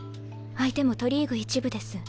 相手も都リーグ１部です。